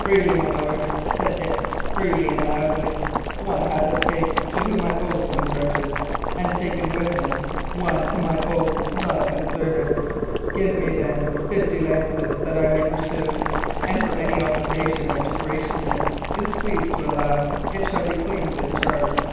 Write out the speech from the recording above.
"Freely, my lord," said Dick, "freely and loudly. One hath escaped to whom I owe some grudges, and taken with him one whom I owe love and service. Give me, then, fifty lances, that I may pursue; and for any obligation that your graciousness is pleased to allow, it shall be clean discharged."